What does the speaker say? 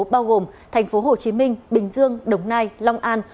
bao gồm thành phố hồ chí minh bình dương đồng nai long an